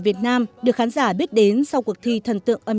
điều đó sẽ giúp đỡ sự yên tĩnh